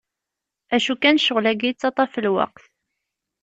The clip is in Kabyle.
Acu kan, ccɣel-agi yettaṭṭaf lweqt.